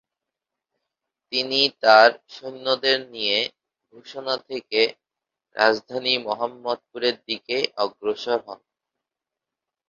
তিনি তার সৈন্যদের নিয়ে ভূষণা থেকে রাজধানী মহম্মদপুরের দিকে অগ্রসর হন।